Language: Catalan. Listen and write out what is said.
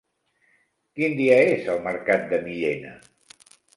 Quin dia és el mercat de Millena?